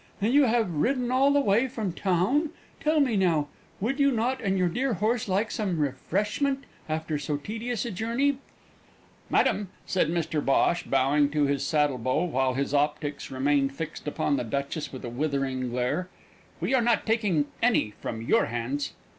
"And you have ridden all the way from town? Tell me now, would not you and your dear horse like some refreshment after so tedious a journey?" "Madam," said Mr Bhosh, bowing to his saddle bow, while his optics remained fixed upon the Duchess with a withering glare. "We are not taking any from your hands."